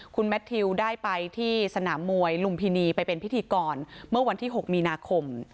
คุณแมททิวได้ไปที่สนามมวยลุมพินีไปเป็นพิธีกรเมื่อวันที่๖มีนาคม